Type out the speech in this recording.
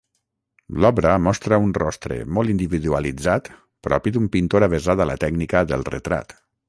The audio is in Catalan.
L'obra mostra un rostre molt individualitzat propi d'un pintor avesat a la tècnica del retrat.